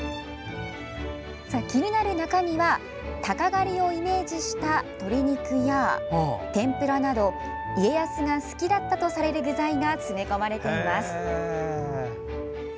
気になる中身は鷹狩りをイメージした鶏肉や天ぷらなど家康が好きだったとされる具材が詰め込まれています。